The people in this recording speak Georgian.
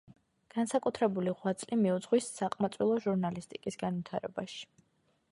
განსაკუთრებული ღვაწლი მიუძღვის საყმაწვილო ჟურნალისტიკის განვითარებაში.